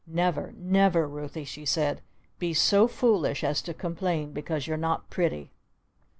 "Never, never, Ruthie," she said, "be so foolish as to complain because you're not pretty!"